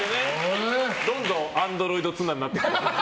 どんどんアンドロイド綱になってく。